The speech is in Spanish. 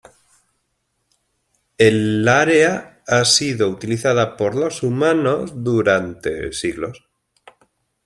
El área ha sido utilizada por los humanos durante siglos.